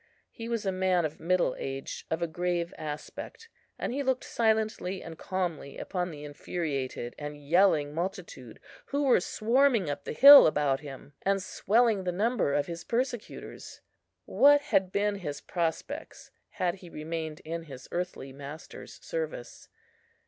He was a man of middle age, of a grave aspect, and he looked silently and calmly upon the infuriated and yelling multitude, who were swarming up the hill about him, and swelling the number of his persecutors. What had been his prospects, had he remained in his earthly master's service?